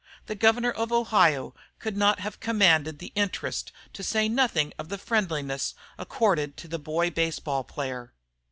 The governor of Ohio could not have commanded the interest, to say nothing of the friendliness, accorded to the boy baseball player.